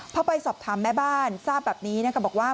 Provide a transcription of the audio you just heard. พอไปสอบถามแม่บ้านทราบแบบนี้นะคะบอกว่า